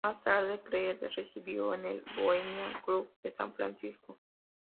Más tarde, Creel residió en el Bohemian Club de San Francisco.